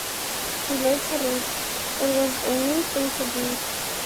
He later wrote: It was a mean thing to do.